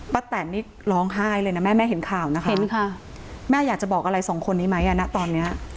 แตนนี่ร้องไห้เลยนะแม่แม่เห็นข่าวนะคะเห็นค่ะแม่อยากจะบอกอะไรสองคนนี้ไหมอ่ะนะตอนเนี้ย